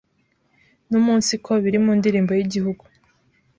numunsiko biri mu ndirimbo y’Igihugu